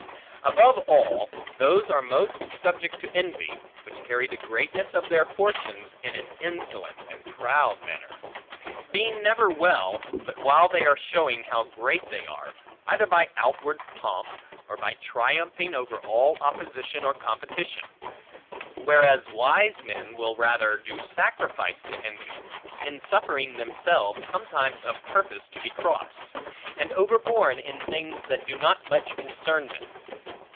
Above all, those are most subject to envy, which carry the greatness of their fortunes, in an insolent and proud manner; being never well, but while they are showing how great they are, either by outward pomp, or by triumphing over all opposition or competition; whereas wise men will rather do sacrifice to envy, in suffering themselves sometimes of purpose to be crossed, and overborne in things that do not much concern them.